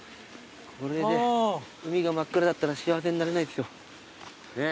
これで海が真っ暗だったら幸せになれないですよ。ねぇ。